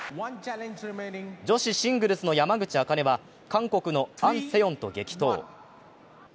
女子シングルスの山口茜は韓国のアン・セヨンと激闘。